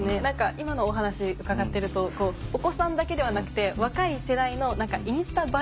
今のお話伺ってるとお子さんだけではなくて若い世代のインスタ映え